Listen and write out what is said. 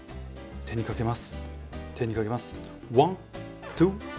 手にかけます。